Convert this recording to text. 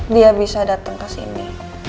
dia bisa dateng kesini